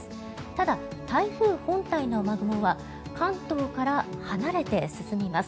ただ、台風本体の雨雲は関東からは離れて進みます。